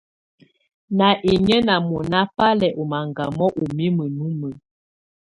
Ná inyǝ́ ná mɔ́ná bá lɛ́ ɔ́ maŋgámɔ ú mimǝ́ numǝ́.